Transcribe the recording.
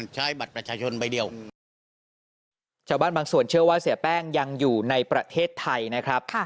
ชาวบ้านบางส่วนเชื่อว่าเสียแป้งยังอยู่ในประเทศไทยนะครับ